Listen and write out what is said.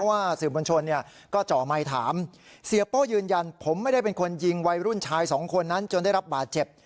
ว่าสื่อมวลชนเนี่ยก็จ่อไมค์ถามเสียโป้ยืนยันผมไม่ได้เป็นคนยิงวัยรุ่นชายสองคนนั้นจนได้รับบาดเจ็บ